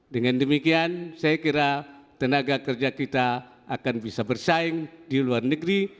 dengan demikian saya kira tenaga kerja kita akan bisa bersaing di luar negeri